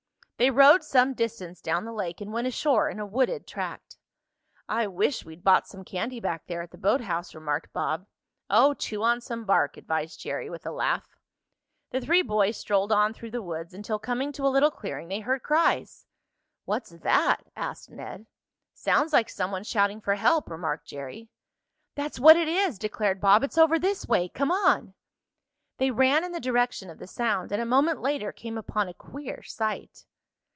They rowed some distance down the lake and went ashore in a wooded tract. "I wish we'd bought some candy back there at the boathouse," remarked Bob. "Oh, chew on some bark," advised Jerry with a laugh. The three boys strolled on through the woods, until, coming to a little clearing, they heard cries. "What's that?" asked Ned. "Sounds like some one shouting for help," remarked Jerry. "That's what it is!" declared Bob. "It's over this way. Come on!" They ran in the direction of the sound, and a moment later came upon a queer sight.